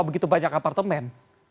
begitu banyak apartemen